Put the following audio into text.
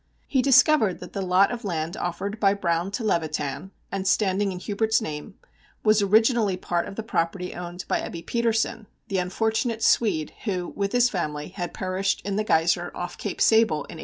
He discovered that the lot of land offered by Browne to Levitan, and standing in Hubert's name, was originally part of the property owned by Ebbe Petersen, the unfortunate Swede who, with his family, had perished in the Geiser off Cape Sable in 1888.